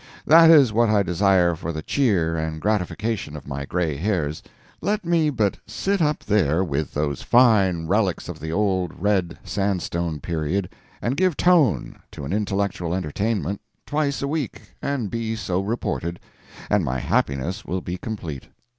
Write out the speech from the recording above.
That is what I desire for the cheer and gratification of my gray hairs. Let me but sit up there with those fine relics of the Old Red Sandstone Period and give Tone to an intellectual entertainment twice a week, and be so reported, and my happiness will be complete.